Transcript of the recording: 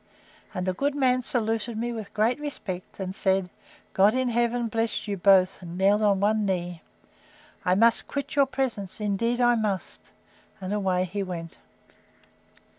—and the good man saluted me with great respect, and said, God in Heaven bless you both! and kneeled on one knee. I must quit your presence! Indeed I must!—And away he went.